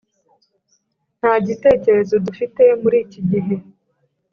nta gitekerezo dufite muri iki gihe.